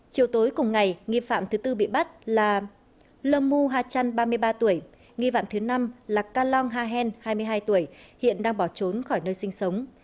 chiều tối cùng ngày nghi phạm thứ tư bị bắt là lâm mưu hà trăn ba mươi ba tuổi nghi phạm thứ năm là cà long hà hèn hai mươi hai tuổi hiện đang bỏ trốn khỏi nơi sinh sống